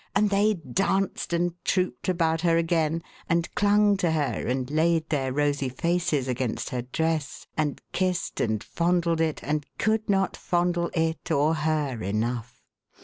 And they danced and trooped about her again, and clung to her, and laid their rosy faces against her dress, and kissed and fondled it, and could not fondle it, or her, enough.